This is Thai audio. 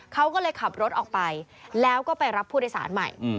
เขาก็เลยขับรถออกไปแล้วก็ไปรับผู้โดยสารใหม่